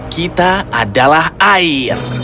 kita adalah air